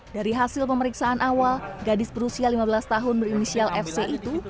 dari hasil pemeriksaan awal gadis berusia lima belas tahun berinisial fc itu